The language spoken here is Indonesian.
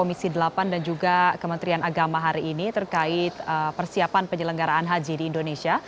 terima kasih kepada para komisi delapan dan juga kementerian agama hari ini terkait persiapan penyelenggaraan haji di indonesia